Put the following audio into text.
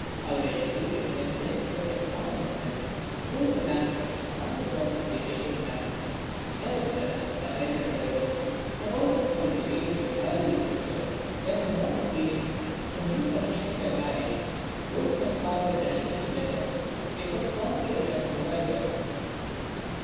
Our educated men then kept at arms' length both the language and thought of their native land. Nevertheless my elder brothers had always cultivated Bengali literature. When on one occasion some new connection by marriage wrote my father an English letter it was promptly returned to the writer.